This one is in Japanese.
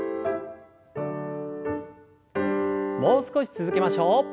もう少し続けましょう。